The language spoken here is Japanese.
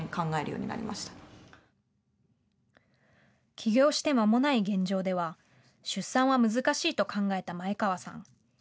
起業してまもない現状では出産は難しいと考えた前川さん。